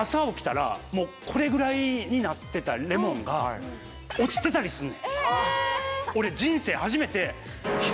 これぐらいになってたレモンが落ちてたりすんねん。